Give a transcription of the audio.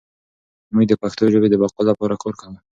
موږ د پښتو ژبې د بقا لپاره کار کوو.